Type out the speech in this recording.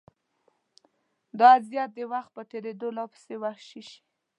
دا اذیت د وخت په تېرېدو لا پسې وحشي شي.